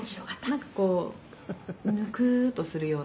「なんかこうぬくーっとするような」